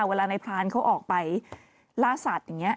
เวลาในพรานเขาออกไปล่าสัตว์อย่างนี้